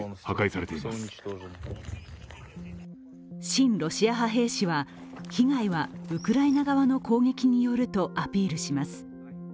親ロシア派兵士は、被害はウクライナ側の攻撃によるとアピールします。